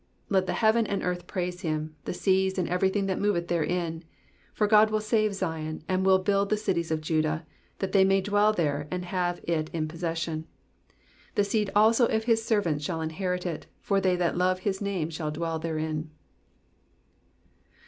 34 Let the heaven and earth praise him, the seas, and every thing that moveth therein. 35 For God will save Zion, and will build the cities of Judah : that they may dwell there, and have it in possession. 36 The seed also of his servants shall inherit it : and they that love his name shall dwell therein.